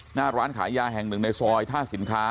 หน้าร้านขายยาแห่งหนึ่งในซอยท่าสินค้า